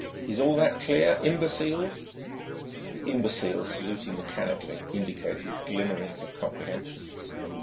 Is all that clear, imbeciles?" The imbeciles, saluting mechanically, indicated glimmerings of comprehension.